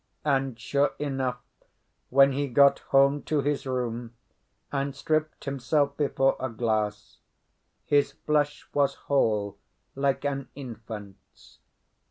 And, sure enough, when he got home to his room, and stripped himself before a glass, his flesh was whole like an infant's.